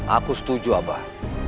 aku setuju abah